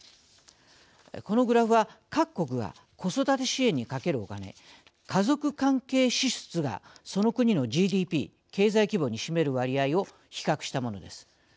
このグラフは各国が子育て支援にかけるお金家族関係支出がその国のＧＤＰ経済規模に占める割合を比較したものです。